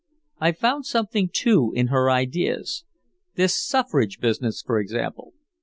I found something too in her ideas. This suffrage business, for example.